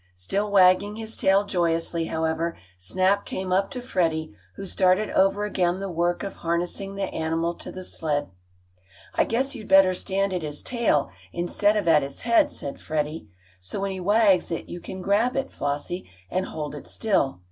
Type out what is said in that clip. Still wagging his tail joyously, however, Snap came up to Freddie, who started over again the work of harnessing the animal to the sled. "I guess you'd better stand at his tail instead of at his head," said Freddie. "So when he wags it you can grab it, Flossie, and hold it still.